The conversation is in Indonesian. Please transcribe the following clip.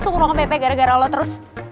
suku ruang bp gara gara lo terus